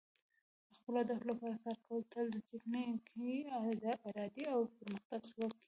د خپلو اهدافو لپاره کار کول تل د ټینګې ارادې او پرمختګ سبب کیږي.